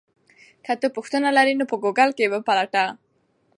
که ته پوښتنه لرې نو په ګوګل کې یې وپلټه.